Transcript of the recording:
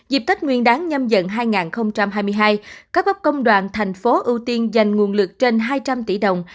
dịp tết nguyên đáng nhâm dần hai nghìn hai mươi hai các góc công đoàn thành phố ưu tiên dành nguồn lực trên hai trăm linh tỷ đồng